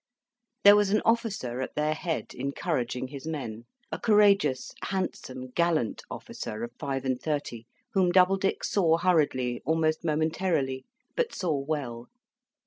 There was an officer at their head, encouraging his men, a courageous, handsome, gallant officer of five and thirty, whom Doubledick saw hurriedly, almost momentarily, but saw well.